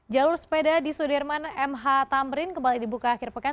jalur sepeda di sudirman mh tamrin kembali dibuka akhir pekan